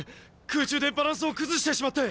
空中でバランスを崩してしまって！